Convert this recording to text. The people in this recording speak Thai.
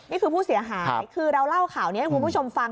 นี่คือผู้เสียหายคือเราเล่าข่าวนี้ให้คุณผู้ชมฟัง